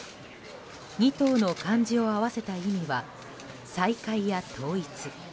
２頭の漢字を合わせた意味は再会や統一。